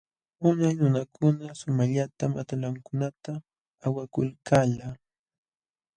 Unay nunakuna sumaqllatam atalankunata awakulkalqa.